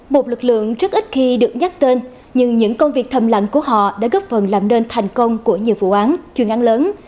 một lực lượng rất ít khi được nhắc tên nhưng những công việc thầm lặng của họ đã góp phần làm nên thành công của nhiều vụ án chuyên án lớn